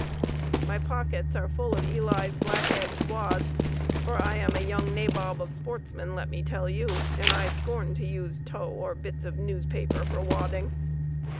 "My pockets are full of Ely's black edged wads, for I am a young nabob of sportsmen, let me tell you, and I scorn to use tow or bits of newspaper for wadding.